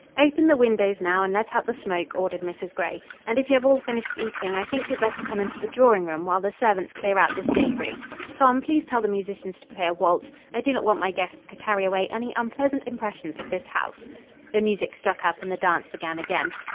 "Open the windows now and let out the smoke," ordered Mrs. Gray, "and, if you have all finished eating, I think you had better come into the drawing room while the servants clear out this debris. Tom, please tell the musicians to play a waltz. I do not want my guests to carry away any unpleasant impressions of this house." The music struck up and the dance began again.